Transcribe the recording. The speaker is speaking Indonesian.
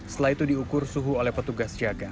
setelah itu diukur suhu oleh petugas jaga